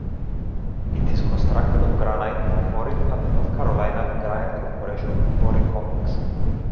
It is constructed of granite quarried at the North Carolina Granite Corporation Quarry Complex.